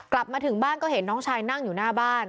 กลับมาถึงบ้านก็เห็นน้องชายนั่งอยู่หน้าบ้าน